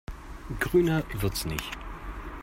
Grüner wird's nicht.